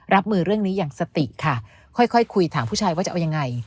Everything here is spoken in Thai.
รับมือเรื่องนี้อย่างสติค่ะค่อยคุยถามผู้ชายว่าจะเอายังไง